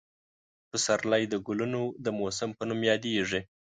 پسرلی د ګلونو د موسم په نوم یادېږي.